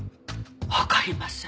わかりません。